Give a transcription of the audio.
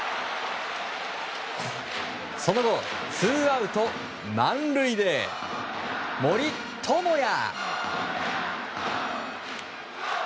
その後、ツーアウト満塁で森友哉。